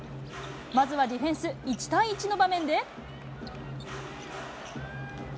まずはディフェンス、１対１の場面で。